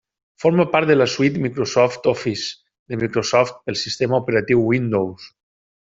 Forma part de la suite Microsoft Office, de Microsoft pel sistema operatiu Windows.